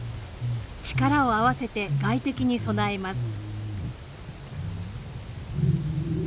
力を合わせて外敵に備えます。